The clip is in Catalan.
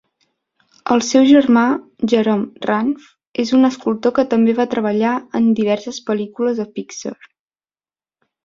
El seu germà, Jerome Ranft, és un escultor que també va treballar en diverses pel·lícules de Pixar.